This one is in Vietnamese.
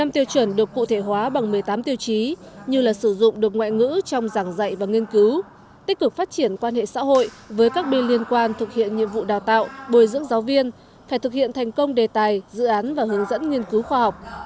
một mươi tiêu chuẩn được cụ thể hóa bằng một mươi tám tiêu chí như là sử dụng được ngoại ngữ trong giảng dạy và nghiên cứu tích cực phát triển quan hệ xã hội với các bên liên quan thực hiện nhiệm vụ đào tạo bồi dưỡng giáo viên phải thực hiện thành công đề tài dự án và hướng dẫn nghiên cứu khoa học